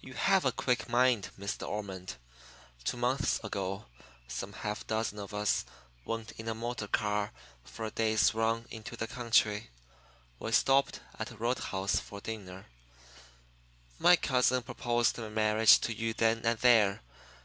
You have a quick mind, Miss De Ormond. Two months ago some half dozen of us went in a motor car for a day's run into the country. We stopped at a road house for dinner. My cousin proposed marriage to you then and there.